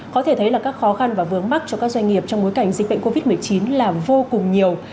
có thể thấy là các khó khăn và vướng mắt cho các doanh nghiệp trong bối cảnh dịch bệnh covid một mươi chín là vô cùng nhiều